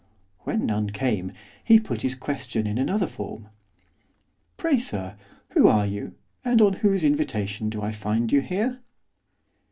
When none came, he put his question in another form. 'Pray, sir, who are you, and on whose invitation do I find you here?